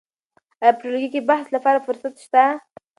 آیا په ټولګي کې د بحث لپاره فرصت شته؟